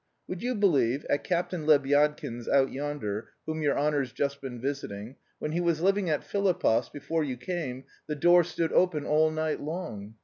Would you believe, at Captain Lebyadkin's, out yonder, whom your honour's just been visiting, when he was living at Filipov's, before you came, the door stood open all night long.